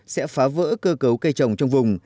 sẽ phá vỡ cơ cấu cây trồng trong vùng